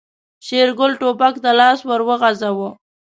شېرګل ټوپک ته لاس ور وغځاوه.